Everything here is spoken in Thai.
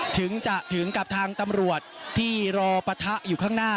ถึงจะถึงกับทางตำรวจที่รอปะทะอยู่ข้างหน้า